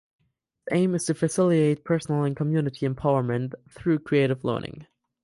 Its aim is to facilitate personal and community empowerment through creative learning.